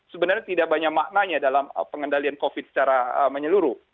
sebenarnya tidak banyak maknanya dalam pengendalian covid secara menyeluruh